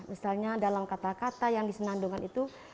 misalnya dalam kata kata yang disenandungkan itu